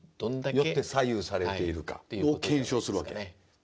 よって左右されているかを検証するわけ。